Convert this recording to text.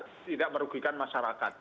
dan tidak merugikan masyarakat